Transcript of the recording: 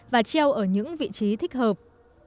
và treo ở những vị trí thích hợp